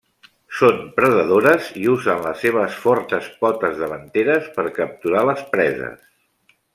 Són predadores i usen les seves fortes potes davanteres per capturar les preses.